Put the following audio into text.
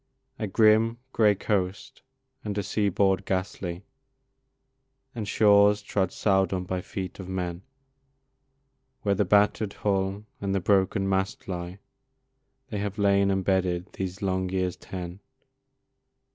A grim, grey coast and a seaboard ghastly, And shores trod seldom by feet of men Where the batter'd hull and the broken mast lie, They have lain embedded these long years ten.